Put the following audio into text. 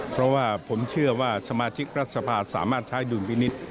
เพราะว่าผมเชื่อว่าสมาชิกรัฐสภาสามารถใช้ดุลพินิษฐ์